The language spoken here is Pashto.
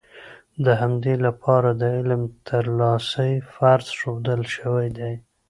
د همدې لپاره د علم ترلاسی فرض ښودل شوی دی.